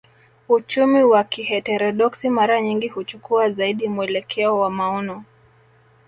Uchumi wa kiheterodoksi mara nyingi huchukua zaidi mwelekeo wa maono